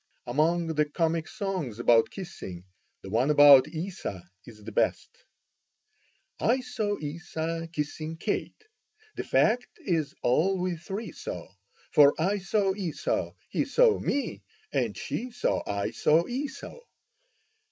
Among the comic songs about kissing, the one about Esau is the best: I saw Esau kissing Kate; The fact is we all three saw; For I saw Esau, he saw me, And she saw I saw Esau!